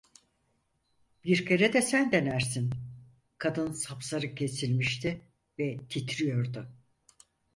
Bir kere de sen denersin!" Kadın sapsarı kesilmişti ve titriyordu.